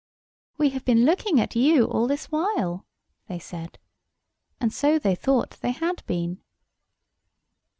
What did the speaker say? "We have been looking at you all this while," they said. And so they thought they had been.